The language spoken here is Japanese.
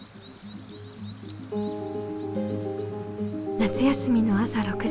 夏休みの朝６時。